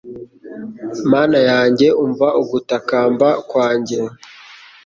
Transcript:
Mana yanjye umva ugutakamba kwanjye